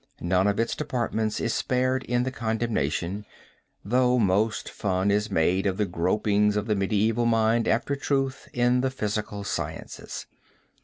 None of its departments is spared in the condemnation, though most fun is made of the gropings of the medieval mind after truth in the physical sciences.